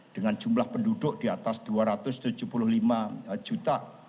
dengan jumlah penduduk di atas dua ratus tujuh puluh lima juta